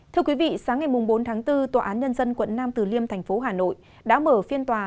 thưa quý vị sáng ngày bốn tháng bốn tòa án nhân dân quận nam từ liêm thành phố hà nội đã mở phiên tòa